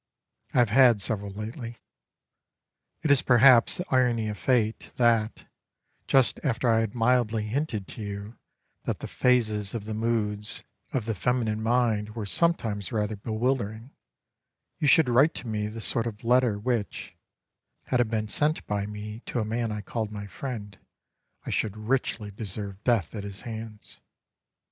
I have had several lately. It is perhaps the irony of fate that, just after I had mildly hinted to you that the phases of the moods of the feminine mind were sometimes rather bewildering, you should write to me the sort of letter which, had it been sent by me to a man I called my friend, I should richly deserve death at his hands.